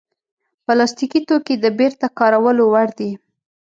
پلاستيکي توکي د بېرته کارولو وړ دي.